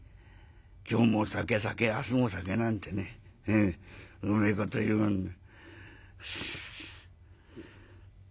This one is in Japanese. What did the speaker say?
今日も酒酒明日も酒』なんてねうめえこと言うもんだ」。